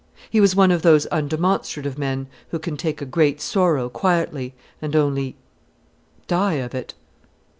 He was one of those undemonstrative men who can take a great sorrow quietly, and only die of it.